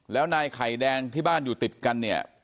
แล้วนายไข่แดงที่บ้านอยู่ติดกันเนี่ย